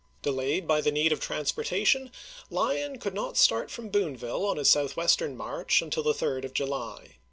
Delayed by the need of transportation, Lyon could not start from Boonville on his southwestern march until the 3d of July.